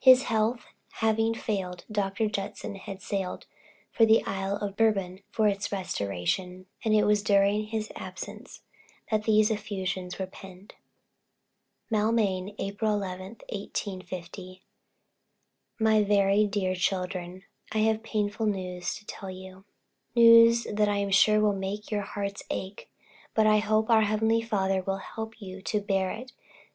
His health having failed, Dr. J. had sailed for the Isle of Bourbon for its restoration, and it was during his absence that these effusions were penned. Maulmain, April 11, 1850. My very dear Children, I have painful news to tell you news that I am sure will make your hearts ache; but I hope our heavenly Father will help you to bear it.